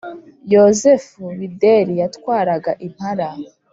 Yozefu Bideri yatwaraga Impara.